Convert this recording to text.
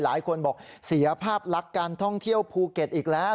หลายคนบอกเสียภาพลักษณ์การท่องเที่ยวภูเก็ตอีกแล้ว